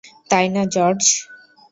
তাই না, জর্জ?